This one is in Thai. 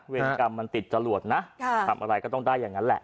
กรรมมันติดจรวดนะทำอะไรก็ต้องได้อย่างนั้นแหละ